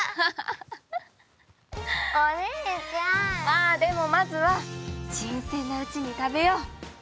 まあでもまずは新鮮なうちに食べよう。